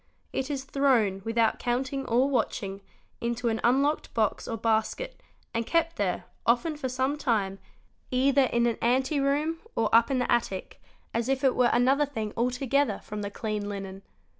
It is thrown, without counting or watching, into an unlocked box or basket and kept there, often for some time, either in an ante room or up in the attic, as 95 _ 754 | THEFT if it were another thing altogether from the clean linen.